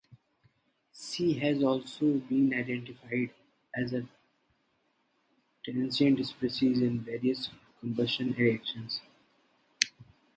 C has also been identified as a transient species in various combustion reactions.